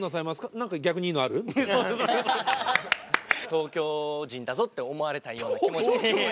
東京人だぞって思われたいような気持ちで。